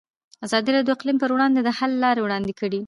ازادي راډیو د اقلیم پر وړاندې د حل لارې وړاندې کړي.